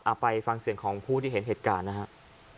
ไปฟังเสียงของผู้ที่เห็นเหตุการณ์นะครับ